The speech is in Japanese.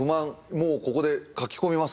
もうここで書き込みます？